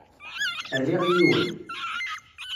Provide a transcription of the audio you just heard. Rriɣ yiwen.